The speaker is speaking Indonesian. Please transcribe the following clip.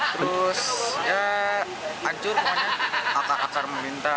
terus ya ancur pokoknya akar akar meminta